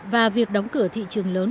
và việc đóng cửa thị trường lớn